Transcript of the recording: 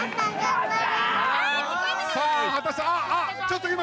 あっちょっと今。